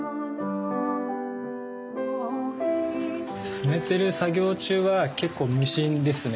染めてる作業中は結構無心ですね。